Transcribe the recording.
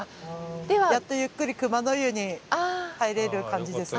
やっとゆっくり熊の湯に入れる感じですね。